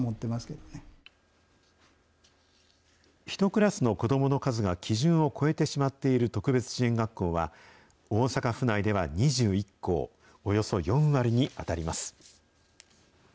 １クラスの子どもの数が基準を超えてしまっている特別支援学校は、大阪府内では２１校、およそ４割に当たります。